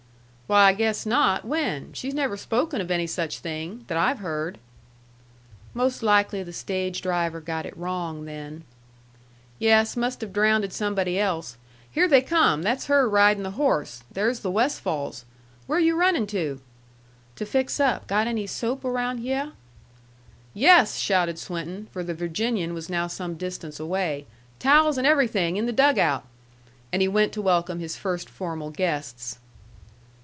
"Why, I guess not. When? She's never spoken of any such thing that I've heard." "Mos' likely the stage driver got it wrong, then." "Yes. Must have drownded somebody else. Here they come! That's her ridin' the horse. There's the Westfalls. Where are you running to?" "To fix up. Got any soap around hyeh?" "Yes," shouted Swinton, for the Virginian was now some distance away; "towels and everything in the dugout." And he went to welcome his first formal guests.